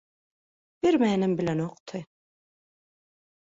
Bermänem bilenokdy.